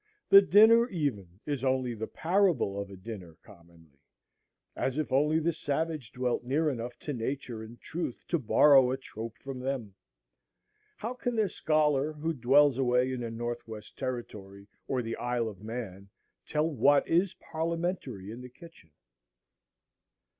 The dinner even is only the parable of a dinner, commonly. As if only the savage dwelt near enough to Nature and Truth to borrow a trope from them. How can the scholar, who dwells away in the North West Territory or the Isle of Man, tell what is parliamentary in the kitchen?